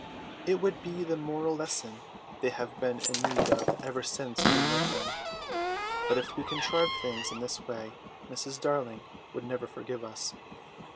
It would be the moral lesson they have been in need of ever since we met them; but if we contrived things in this way Mrs. Darling would never forgive us.